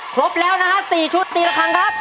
ครบแล้วนะฮะ๔ชุดตีละครั้งครับ